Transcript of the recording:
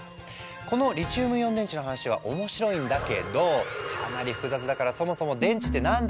このリチウムイオン電池の話は面白いんだけどかなり複雑だからそもそも電池って何だっけ？